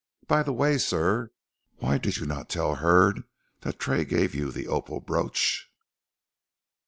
"By the way, sir, why did you not tell Hurd that Tray gave you the opal brooch?"